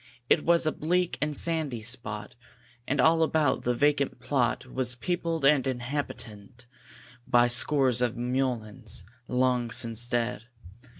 It was a bleak and sandy spot, And, all about, the vacant plot Was peopled and inhabited By scores of mulleins long since dead.